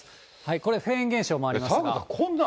これフェーン現象もありますが。